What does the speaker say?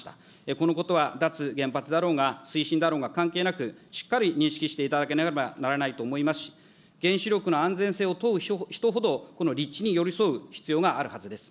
このことは、脱原発だろうが推進だろうが関係なく、しっかり認識していただかなければと思いますし、原子力の安全性を問う人ほどこの立地に寄り添う必要があるはずです。